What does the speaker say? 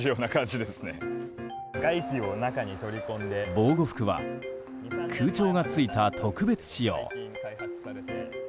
防護服は空調がついた特別仕様。